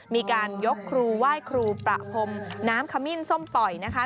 มีการยกครูไหว้ครูประพรมน้ำขมิ้นส้มปล่อยนะคะ